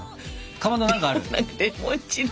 かまど何かある？